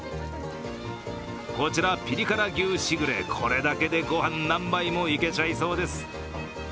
こちら、ピリ辛牛しぐれ、これだけでご飯、何杯もいけちゃいそうです。